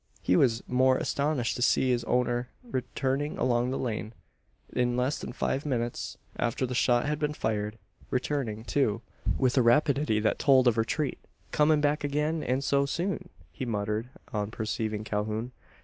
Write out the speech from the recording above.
He was more astonished to see its owner returning along the lane in less than five minutes after the shot had been fired returning, too, with a rapidity that told of retreat! "Comin' back agin an so soon!" he muttered, on perceiving Calhoun.